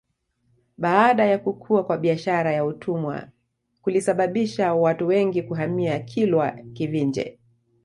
Baada ya kukua kwa biashara ya utumwa kulisababisha watu wengi kuhamia Kilwa Kivinje